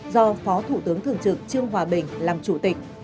do phó thủ tướng thường trực trương hòa bình làm chủ tịch